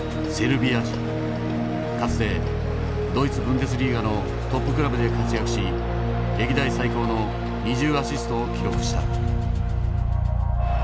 かつてドイツ・ブンデスリーガのトップクラブで活躍し歴代最高の２０アシストを記録した。